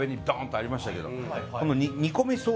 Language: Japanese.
とありましたけど。